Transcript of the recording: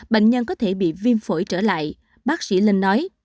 bệnh nhân có thể bị viêm phổi trở lại bác sĩ linh nói